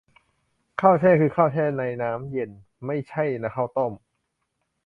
ข้าวแช่ คือข้าวแช่ในน้ำเย็น ไม่ใช่ข้าวต้ม